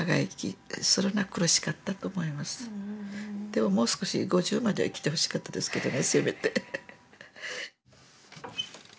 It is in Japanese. でももう少し５０までは生きてほしかったですけどねせめて。